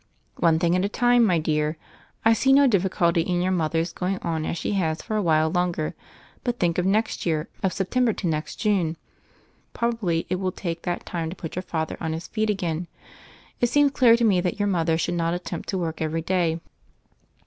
"One thing at a time, my dear. I see no difficulty in your mother's going on as she has for a while longer; but think of next year — of September to next Junel Probably it will take that time to put your father on his feet again. It seems clear to me that your mother should not attempt to work every day."